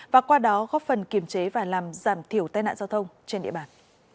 và qua đó góp phần kiềm chế và làm giảm thiểu tai nạn giao thông trên địa bàn